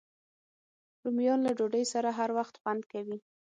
رومیان له ډوډۍ سره هر وخت خوند کوي